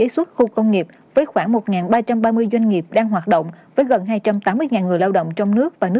xin mời anh hoàng trí